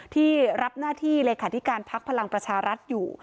ที่รับหน้าที่เลขาธิการพักพลังประชารัฐอยู่